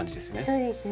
そうですね。